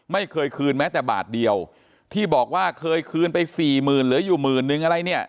ไม่เคยคืนแม้แต่บาทเดียวที่บอกว่าเคยคืนไปสี่หมื่นเหลืออยู่หมื่นนึงอะไรเนี่ย